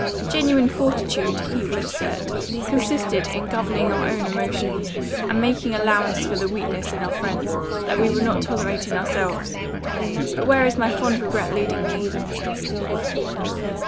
'Genuine fortitude,' he would assert, 'consisted in governing our own emotions, and making allowance for the weaknesses in our friends, that we would not tolerate in ourselves.' But where is my fond regret leading me!